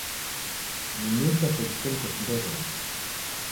Ni nicha seji koni kusindeghora.